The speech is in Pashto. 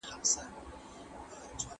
هوا د پخلي وروسته بدله کړئ.